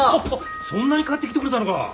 そんなに買ってきてくれたのか。